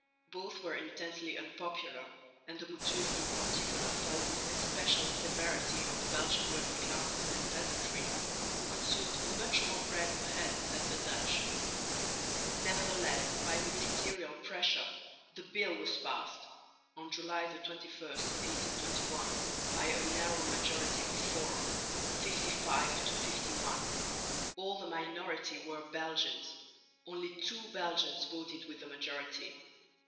Both were intensely unpopular, and the mouture in particular fell with especial severity on the Belgian working classes and peasantry, who consumed much more bread per head than the Dutch. Nevertheless by ministerial pressure the bill was passed (July 21, 1821) by a narrow majority of four 55 to 51. All the minority were Belgians, only two Belgians voted with the majority.